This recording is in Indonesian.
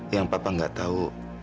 yang papa gak tahu